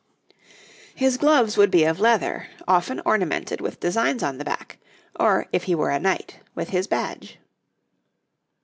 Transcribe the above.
His gloves would be of leather, often ornamented with designs on the back, or, if he were a knight, with his badge.